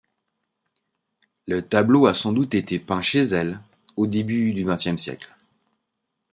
Le tableau a sans doute été peint chez elle, au début du vingtième siècle.